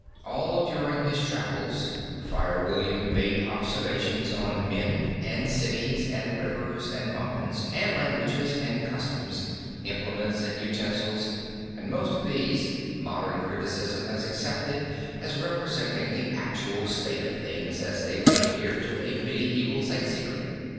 All during his travels Friar William made observations on men and cities, and rivers and mountains, and languages and customs, implements and utensils, and most of these modern criticism has accepted as representing the actual state of things as they would appear to a medieval sightseer.